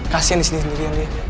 kasian disini sendiri dia